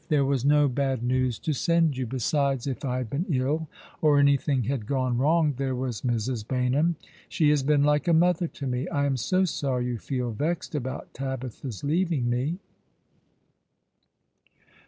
There was no bad news to send you. Besides, if I had been ill, or anything had gone wrong, there was Mrs. Baynham. She has been like a mother to me. I am so sorry you feel vexed about Tabitha's leaving me."